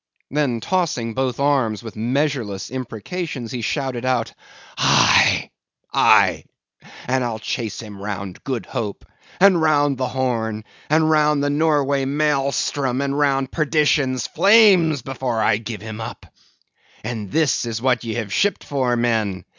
Then tossing both arms, with measureless imprecations he shouted out: "Aye, aye! and I'll chase him round Good Hope, and round the Horn, and round the Norway Maelstrom, and round perdition's flames before I give him up. And this is what ye have shipped for, men!